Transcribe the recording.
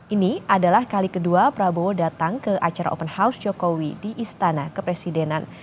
ini adalah kali kedua prabowo datang ke acara open house jokowi di istana kepresidenan